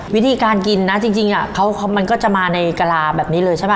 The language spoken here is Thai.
พี่ที่การกินน่ะจริงเขามันก็จะมาในกะลาแบบนี้เลยใช่ป่ะ